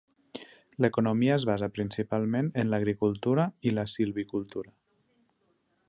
L'economia es basa principalment en l'agricultura i la silvicultura.